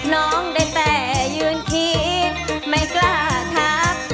น้องได้แต่ยืนคิดไม่กล้าทัก